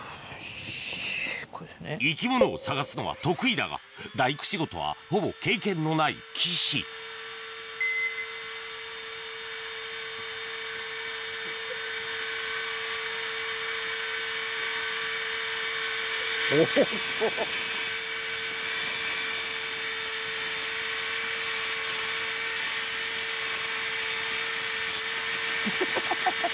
生き物を探すのは得意だが大工仕事はほぼ経験のない岸ハハハ